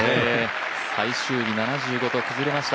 最終日、７５と崩れました